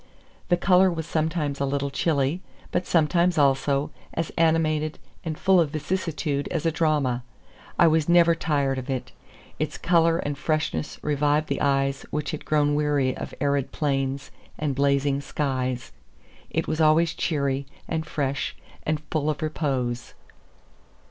The color was sometimes a little chilly, but sometimes, also, as animated and full of vicissitude as a drama. I was never tired of it. Its color and freshness revived the eyes which had grown weary of arid plains and blazing skies. It was always cheery, and fresh, and full of repose.